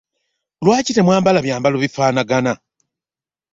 Lwaki temwambala byambalo bifaanagana?